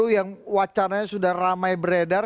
yang wacananya sudah ramai beredar